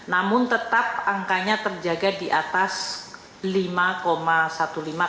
namun tetap angkanya terjaga di atas lima lima belas persen